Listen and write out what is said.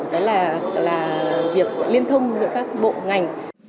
đó là việc liên thông giữa các bộ ngành